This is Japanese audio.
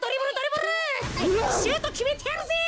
シュートきめてやるぜ！